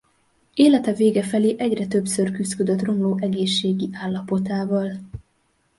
Élete vége felé egyre többször küszködött romló egészségi állapotával.